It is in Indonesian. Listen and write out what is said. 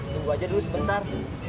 tunggu aja dulu sebentar